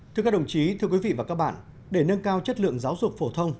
thưa các đồng chí thưa quý vị và các bạn để nâng cao chất lượng giáo dục phổ thông